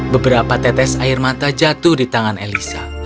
beberapa tetes air mata jatuh di tangan elisa